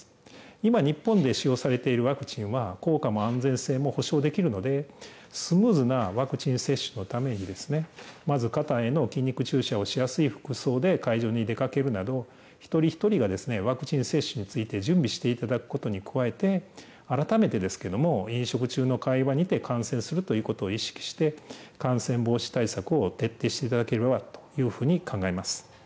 今、日本で使用されているワクチンは、効果も安全性も保証できるので、スムーズなワクチン接種のために、まず肩への筋肉注射をしやすい服装で会場に出かけるなど、一人一人が、ワクチン接種について準備していただくことに加えて、改めて、飲食中の会話にて感染するということを意識して、感染防止対策を徹底していただければというふうに考えます。